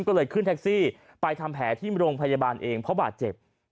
ก็เลยขึ้นแท็กซี่ไปทำแผลที่โรงพยาบาลเองเพราะบาดเจ็บ